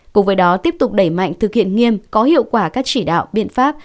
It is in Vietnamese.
cùng với đó tiếp tục đẩy mạnh thực hiện nghiêm có hiệu quả các chỉ đạo biện pháp